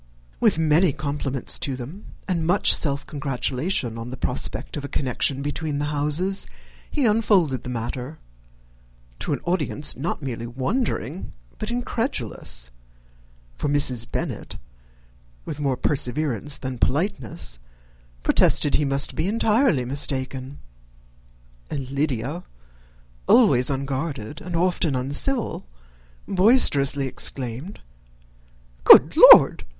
With many compliments to them, and much self gratulation on the prospect of a connection between the houses, he unfolded the matter, to an audience not merely wondering, but incredulous; for Mrs. Bennet, with more perseverance than politeness, protested he must be entirely mistaken; and Lydia, always unguarded and often uncivil, boisterously exclaimed, "Good Lord!